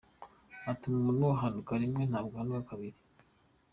Ati “Umuntu ahanuka rimwe ntabwo ahanuka kabiri.